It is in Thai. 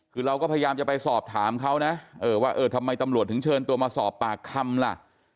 คือเราก็พยายามจะไปสอบถามเขานะว่าเออทำไมตำรวจถึงเชิญตัวมาสอบปากคำล่ะ